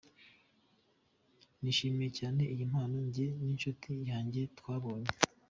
Nishimiye cyane iyi mpano njye n’inshuti yanjye twabonye.